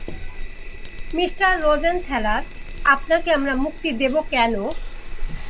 Mister Rosenthaler, আপনাকে আমরা মুক্তি দেবো কেন?